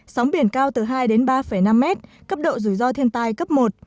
sóng biển cao từ hai đến ba năm mét cấp độ rủi ro thiên tai cấp một